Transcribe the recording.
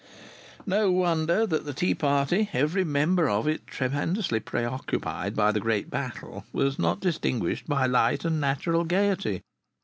No wonder that the tea party, every member of it tremendously preoccupied by the great battle, was not distinguished by light and natural gaiety.